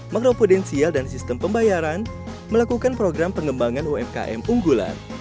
makro prudensial dan sistem pembayaran melakukan program pengembangan umkm unggulan